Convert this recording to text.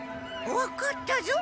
わかったぞ。